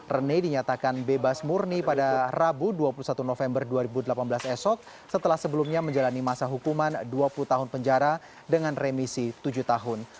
rene dinyatakan bebas murni pada rabu dua puluh satu november dua ribu delapan belas esok setelah sebelumnya menjalani masa hukuman dua puluh tahun penjara dengan remisi tujuh tahun